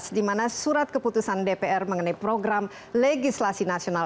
dimana surat keputusan dpr mengenai program legislasi nasional